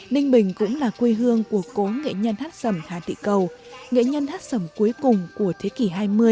ninh bình cũng là quê hương của cố nghệ nhân hát sầm hà tị cầu nghệ nhân hát sầm cuối cùng của thế kỷ hai mươi